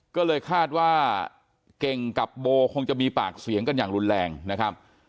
ก็เลยคาดว่าเก่งกับโบคงจะมีปากเสียงกันอย่างรุนแรงนะครับ